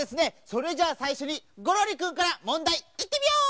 それじゃあさいしょにゴロリくんからもんだいいってみよう！